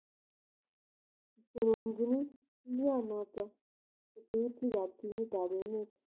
kitononchini tuyionoto tetutikab timitab emet.